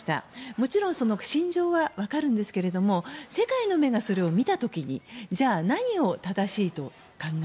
もちろん心情は分かるんですが世界の目がそれを見た時にじゃあ、何を正しいと考え